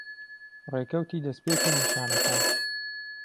ڕێکەوتی دەستپێکی نیشانەکان